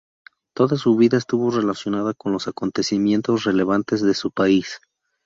Toda su vida estuvo relacionada con los acontecimientos relevantes de su país.